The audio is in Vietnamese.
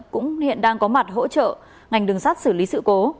cũng hiện đang có mặt hỗ trợ ngành đường sắt xử lý sự cố